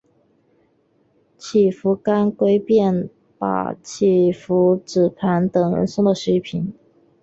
乞伏干归便把乞伏炽磐等人送到西平。